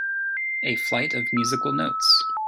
A flight of musical notes.